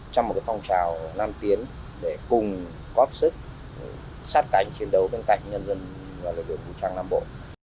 trong một phong trào nam tiến để cùng góp sức sát cánh chiến đấu bên cạnh nhân dân bộ trang nam bộ